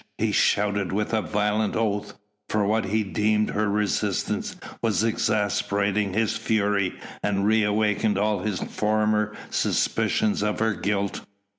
he shouted, with a violent oath, for what he deemed her resistance was exasperating his fury and reawakened all his former suspicions of her guilt.